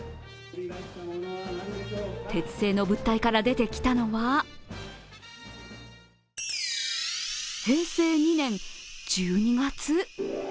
鉄製の物体から出てきたのは、平成２年１２月？